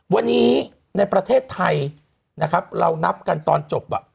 วันนี้ในประเทศไทยนะครับเรานับกันตอนจบ